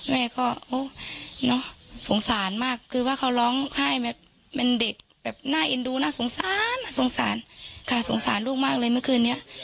แม่ก็สงสารมากคือว่าเขาร้องไห้แบบเป็นเด็กแบบน่าเอ็นดูน่าสงสารสงสารค่ะสงสารลูกมากเลยเมื่อคืนนี้